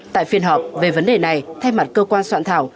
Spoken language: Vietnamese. tại phiên họp về vấn đề này thay mặt cơ quan soạn thảo